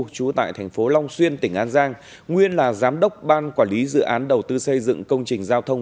trú tại thành phố long xuyên tỉnh an giang nguyên là giám đốc ban quản lý dự án đầu tư xây dựng công trình giao thông